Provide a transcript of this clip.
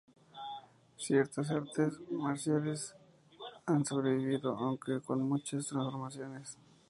Ciertas artes marciales han sobrevivido, aunque con muchas transformaciones.